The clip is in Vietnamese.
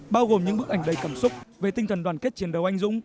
bao gồm những bức ảnh đầy cảm xúc về tinh thần đoàn kết chiến đấu anh dũng